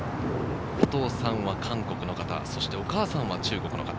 お父さんは韓国の方、そしてお母さんは中国の方。